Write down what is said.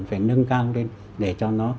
phải nâng cao lên để cho nó